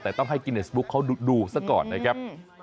แต่ต้องให้กิเนสบุ๊คเขาดูซะก่อนนะครับ